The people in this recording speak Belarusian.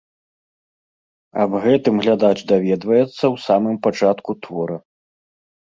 Аб гэтым глядач даведваецца ў самым пачатку твора.